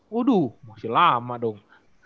waduh masih lama dong